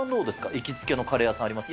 行きつけのカレー屋さん、ありますか？